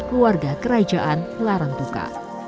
keluarga kerajaan larang tuka